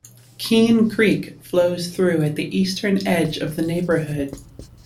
Keene Creek flows through at the eastern edge of the neighborhood.